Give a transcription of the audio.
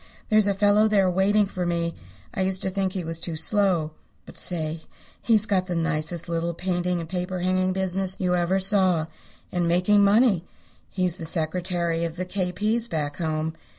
There's a fellow there waiting for me. I used to think he was too slow. But say, he's got the nicest little painting and paper hanging business you ever saw, and making money. He's secretary of the K. P.'s back home.